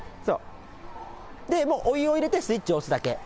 もうお湯を入れてスイッチ押すだけ。